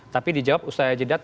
tapi dijawab ustaz yajidat